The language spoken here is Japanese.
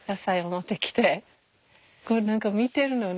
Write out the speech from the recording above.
こう何か見てるのね。